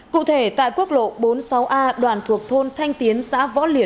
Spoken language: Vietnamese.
cụ thể tại quốc lộ bốn mươi sáu a đoàn thuộc thôn thanh tiến xã võ lý